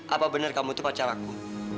apa benar kamu itu pacar aku